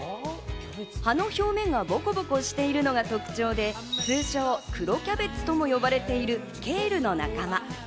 葉の表面がボコボコしているのが特徴で、通称・黒キャベツとも呼ばれているケールの仲間。